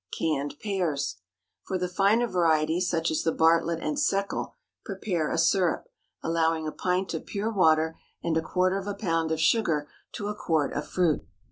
CANNED PEARS. ✠ For the finer varieties, such as the Bartlett and Seckel, prepare a syrup, allowing a pint of pure water and a quarter of a pound of sugar to a quart of fruit.